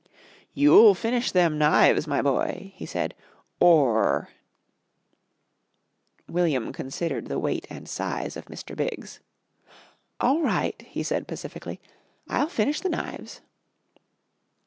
"You'll finish them knives, my boy," he said, "or " William considered the weight and size of Mr. Biggs. "All right," he said pacifically. "I'll finish the knives."